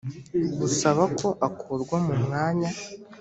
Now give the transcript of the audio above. gusaba ko akurwa mu mwanya